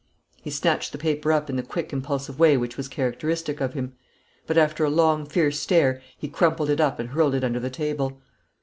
He snatched the paper up in the quick impulsive way which was characteristic of him. But after a long fierce stare he crumpled it up and hurled it under the table.